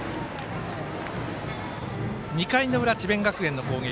２回の裏、智弁学園の攻撃。